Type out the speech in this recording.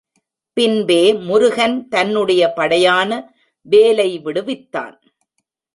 பின்பே முருகன் தன்னுடைய படையான வேலை விடுவித்தான்.